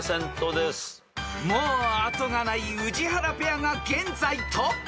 ［もう後がない宇治原ペアが現在トップ］